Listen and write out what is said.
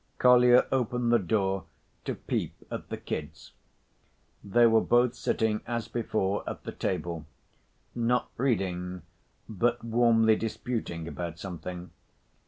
Kolya opened the door to peep at "the kids." They were both sitting as before at the table, not reading but warmly disputing about something.